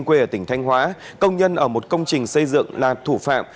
quê ở tỉnh thanh hóa công nhân ở một công trình xây dựng là thủ phạm